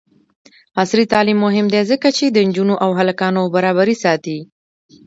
عصري تعلیم مهم دی ځکه چې د نجونو او هلکانو برابري ساتي.